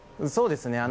そうですね。